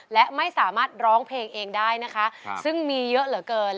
และไม่สามารถร้องเพลงเองได้นะคะซึ่งมีเยอะเหลือเกิน